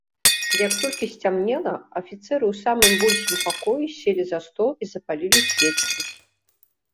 Як толькі сцямнела, афіцэры ў самым большым пакоі селі за стол і запалілі свечкі.